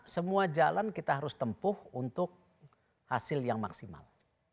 semua jalan kita harus tempuh untuk hasil yang maksimal